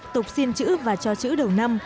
tục xin chữ và cho chữ đầu năm